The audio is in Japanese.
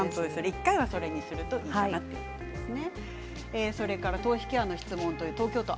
１回はそれにするといいということですね。